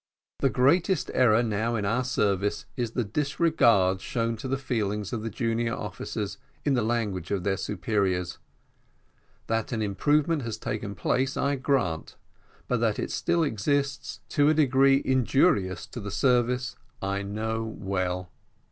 The greatest error now in our service, is the disregard shown to the feelings of the junior officers in the language of their superiors: that an improvement has taken place I grant, but that it still exists, to a degree injurious to the service, I know too well.